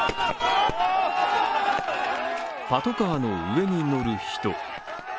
パトカーの上に乗る人。